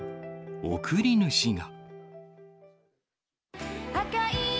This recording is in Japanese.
贈り主が。